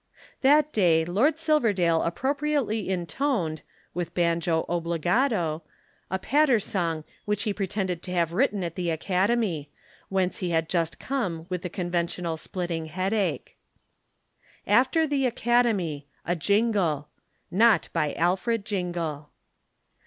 That day Lord Silverdale appropriately intoned (with banjo obligato) a patter song which he pretended to have written at the Academy, whence he had just come with the conventional splitting headache. AFTER THE ACADEMY A JINGLE. (NOT BY ALFRED JINGLE.)